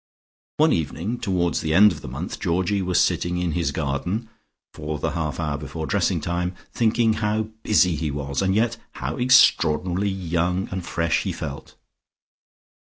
One evening, towards the end of the month, Georgie was sitting in his garden, for the half hour before dressing time, thinking how busy he was, and yet how extraordinarily young and fresh he felt.